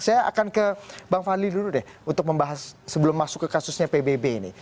saya akan ke bang fadli dulu deh untuk membahas sebelum masuk ke kasusnya pbb ini